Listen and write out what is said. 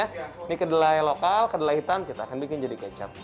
ini kedelai lokal kedelai hitam kita akan bikin jadi kecap